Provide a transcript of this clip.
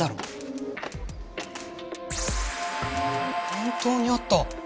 本当にあった！